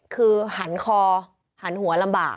คือหันคอหันหัวลำบาก